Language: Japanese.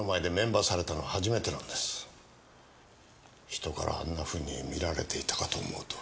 人からあんなふうに見られていたかと思うと。